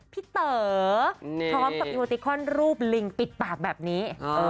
เต๋อพร้อมกับโยติคอนรูปลิงปิดปากแบบนี้